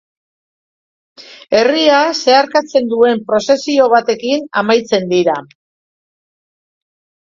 Herria zeharkatzen duen prozesio batekin amaitzen dira.